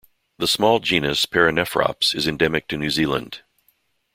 The small genus "Paranephrops" is endemic to New Zealand.